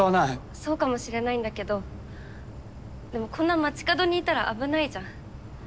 そうかもしれないんだけどでもこんな街角にいたら危ないじゃん。